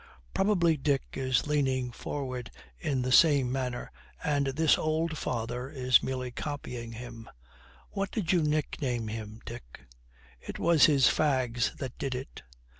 Probably Dick is leaning forward in the same way, and this old father is merely copying him. 'What did you nickname him, Dick?' 'It was his fags that did it!'